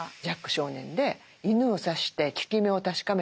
少年で犬を刺して効き目を確かめた